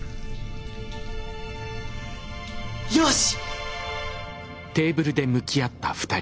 よし！